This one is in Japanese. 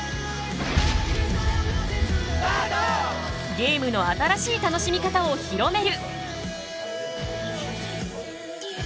ゲームの新しい楽しみ方を広める！